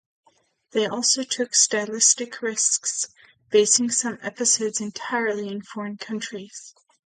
They also took stylistic risks, basing some episodes entirely in foreign countries.